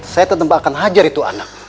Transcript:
saya tetap akan hajar itu anak